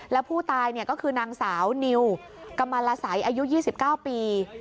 แล้วผู้ตายก็คือนางสาวนิวกรรมละสัยอายุ๒๙ปี